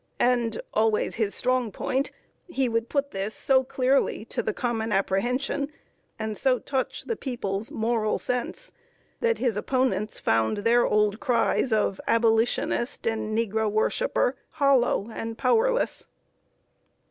And always his strong point he would put this so clearly to the common apprehension, and so touch the people's moral sense, that his opponents found their old cries of "Abolitionist" and "Negro worshiper" hollow and powerless.